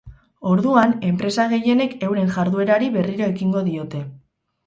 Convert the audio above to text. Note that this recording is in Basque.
Orduan, enpresa gehienek euren jarduerari berriro ekingo diote.